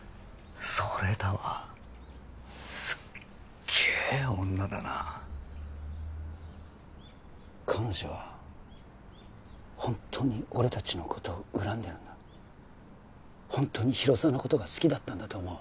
それだわすっげえ女だな彼女はホントに俺達のこと恨んでるんだホントに広沢のことが好きだったんだと思う